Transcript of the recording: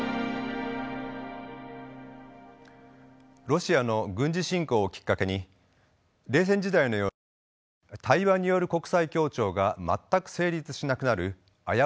ロシアの軍事侵攻をきっかけに冷戦時代のように対話による国際協調が全く成立しなくなる危うさを感じます。